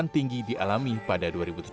yang tinggi dialami pada dua ribu tujuh belas